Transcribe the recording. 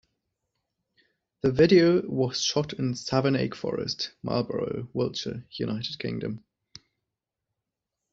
The video was shot in Savernake Forest, Marlborough, Wiltshire, United Kingdom.